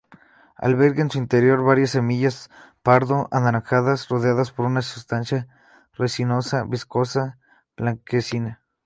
Alberga en su interior varias semillas pardo-anaranjadas, rodeadas por una sustancia resinosa-viscosa blanquecina.